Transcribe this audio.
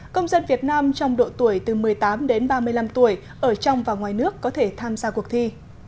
công dân việt nam trong độ tuổi từ một mươi tám đến ba mươi năm tuổi ở trong và ngoài nước có thể tham gia cuộc thi